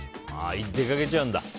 出かけちゃうんだ。